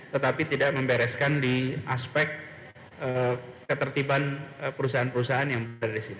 tetapi tidak membereskan di aspek ketertiban perusahaan perusahaan yang berada di sini